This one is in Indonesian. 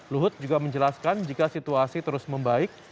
luhut juga menjelaskan jika situasi terus membaik